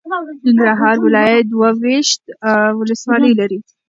ننګرهار ولایت دوه ویشت ولسوالۍ لري.